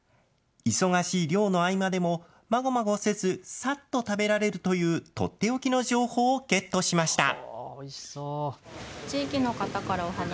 忙しい漁の合間でもまごまごせずさっと食べられるというとっておきの情報をゲットしました。